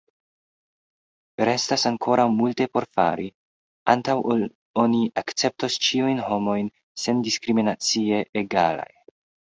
Restas ankoraŭ multe por fari, antaŭ ol oni akceptos ĉiujn homojn sendiskriminacie egalaj.